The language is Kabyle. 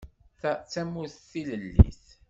Ta d tamurt tilellit.